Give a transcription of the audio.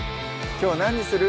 きょう何にする？